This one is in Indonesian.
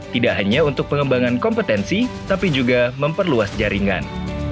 tidak hanya untuk pengembangan kompetensi tapi juga memperluas jaringan